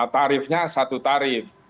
tarifnya satu tarif